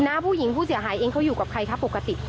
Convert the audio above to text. หน้าผู้หญิงผู้เสียหายเองเขาอยู่กับใครคะปกติ